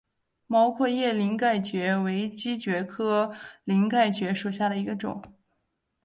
毛阔叶鳞盖蕨为姬蕨科鳞盖蕨属下的一个种。